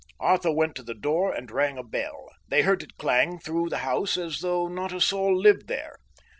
Arthur went to the door and rang a bell. They heard it clang through the house as though not a soul lived there.